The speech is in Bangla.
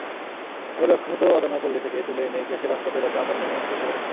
আরবে অখ্যাত অজানা পল্লী থেকে তুলে এনে ইতিহাসের রাজপথে তাঁকে আপন মহিমায় প্রতিষ্ঠিত করেছে।